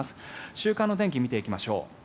週間の天気を見ていきましょう。